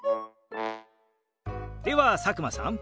では佐久間さん。